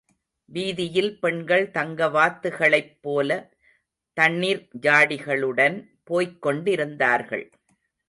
வீதியில் பெண்கள் தங்க வாத்துகளைப் போல, தண்ணிர் ஜாடிகளுடன் போய்க் கொண்டிருந்தார்கள்.